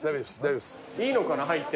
いいのかな？入って。